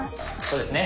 そうですね。